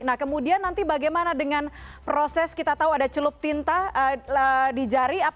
nah kemudian nanti bagaimana dengan proses kita tahu ada celup tinta di jari